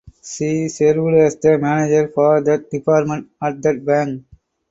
She served as the manager for that department at that bank.